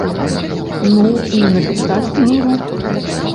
Ну, і напісаць кнігу.